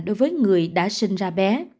đối với người đã sinh ra bé